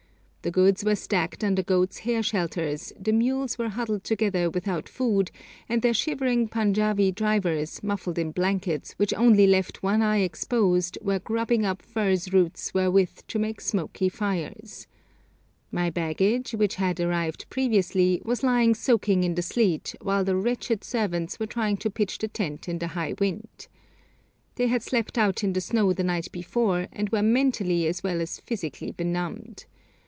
The goods were stacked under goat's hair shelters, the mules were huddled together without food, and their shivering Panjābi drivers, muffled in blankets which only left one eye exposed, were grubbing up furze roots wherewith to make smoky fires. My baggage, which had arrived previously, was lying soaking in the sleet, while the wretched servants were trying to pitch the tent in the high wind. They had slept out in the snow the night before, and were mentally as well as physically benumbed.